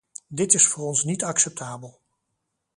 Dit is voor ons niet acceptabel.